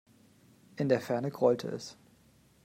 In der Ferne grollte es.